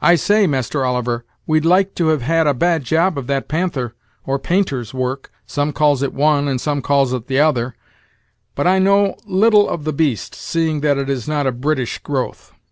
I say, Master Oliver, we'd like to have had a bad job of that panther, or painter's work some calls it one, and some calls it t'other but I know little of the beast, seeing that it is not of British growth.